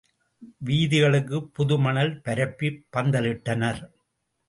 வீதிகளுக்குப் புதுமணல் பரப்பிப் பந்தலிட்டனர்.